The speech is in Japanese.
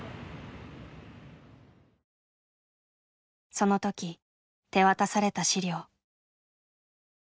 その時手渡された資料。